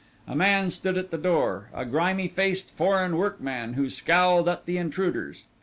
A man stood at the door, a grimy faced foreign workman who scowled at the intruders.